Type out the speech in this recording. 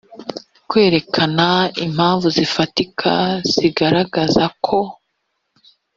kwerekana impamvu zifatika zigaragazako